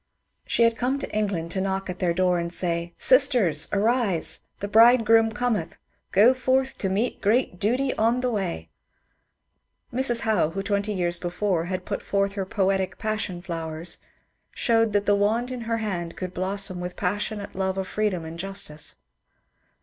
She had oome to England to knock at their door and say, ^^ Sisters, arise I The bridegroom cometh — go forth to meet great Duty on the way!" Mrs. Howe, who twenty years before had pnt forth her poetic ^^ Passion Flowers," showed that the wand in her hand could blossom with passionate love of freedom and justice.